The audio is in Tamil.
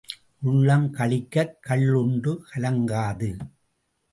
உள்ளம் களிக்கக் கள் உண்டு கலங்காது.